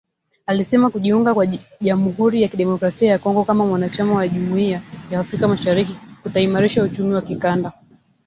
Alisema kujiunga kwa Jamuhuri ya Kidemokrasia ya Kongo kama mwanachama wa Jumuiya ya Afrika Mashariki kutaimarisha uchumi wa kikanda